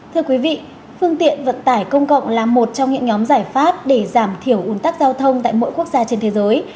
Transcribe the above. thưa quý vị phương tiện vận tải công cộng là một trong những nhóm giải pháp để giảm thiểu ủn tắc giao thông tại mỗi quốc gia trên thế giới